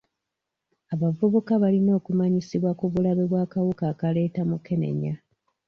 Abavubuka balina okumanyisibwa ku bulabe bw'akawuka akaleeta mukenenya.